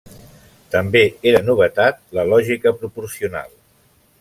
També era novetat la lògica proporcional.